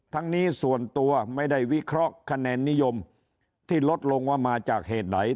ทั้งนี้ส่วนตัวไม่ได้วิเคราะห์คะแนนนิยมที่ลดลงว่ามาจากเหตุไหน